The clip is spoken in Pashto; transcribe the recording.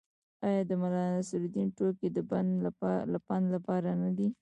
آیا د ملانصرالدین ټوکې د پند لپاره نه دي؟